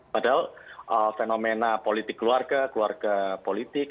padahal fenomena politik keluarga keluarga politik